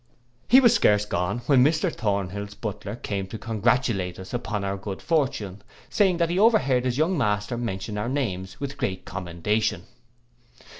He was scarce gone, when Mr Thornhill's butler came to congratulate us upon our good fortune, saying, that he overheard his young master mention our names with great commendation.